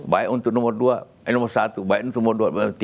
baik untuk nomor satu baik untuk nomor dua baik untuk nomor tiga